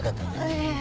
ええ。